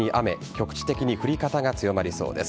局地的に降り方が強まりそうです。